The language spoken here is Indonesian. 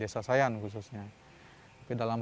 sayan khususnya tapi dalam